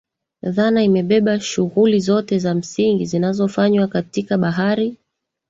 Dhana imebeba shughuli zote za msingi zinazofanywa katika bahari